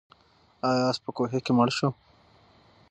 آیا آس په کوهي کې مړ شو؟